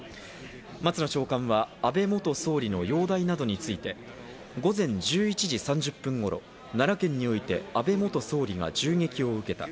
松野長官は安倍元総理の容体などについて、午前１１時３０分頃、奈良県において安倍元総理が銃撃を受けた。